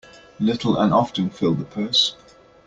Little and often fill the purse.